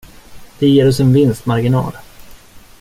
Det ger oss en vinstmarginal!